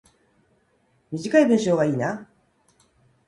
短い文章がいいな